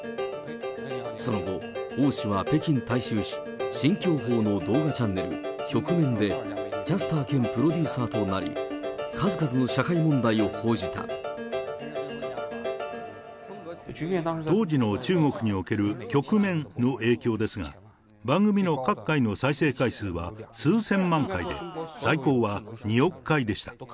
その後、王氏は北京大衆紙、新京報の動画チャンネル、局面でキャスター兼プロデューサーとな当時の中国における局面の影響ですが、番組の各回の再生回数は数千万回で、最高は２億回でした。